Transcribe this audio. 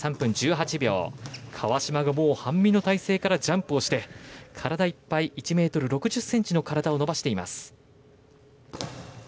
川嶋が半身の体勢からジャンプをして体いっぱい１ｍ６０ｃｍの体を伸ばしています。